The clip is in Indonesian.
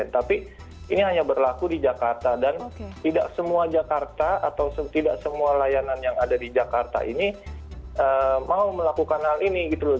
tapi ini hanya berlaku di jakarta dan tidak semua jakarta atau tidak semua layanan yang ada di jakarta ini mau melakukan hal ini gitu loh